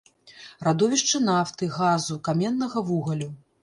Радовішчы нафты, газу, каменнага вугалю.